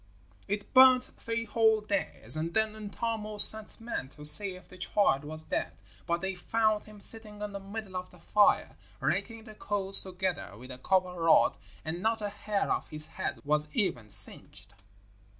It burned three whole days, and then Untamo sent men to see if the child was dead; but they found him sitting in the middle of the fire raking the coals together with a copper rod, and not a hair of his head was even singed.